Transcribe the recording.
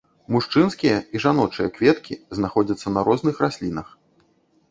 Мужчынскія і жаночыя кветкі знаходзяцца на розных раслінах.